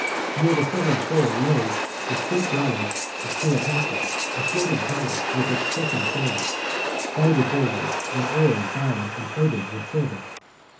Near the southern shore lay the state galley of Cleopatra, a floating palace, with its silken sails, gilded bulwarks, and oars bound and plated with silver.